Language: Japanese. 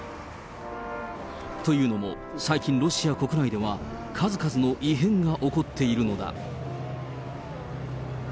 というのも、最近、ロシア国内では、数々の異変が起こっているのだ。